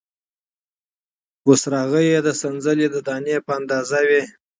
بوسراغې یې د سنځلې د دانې په اندازه وې،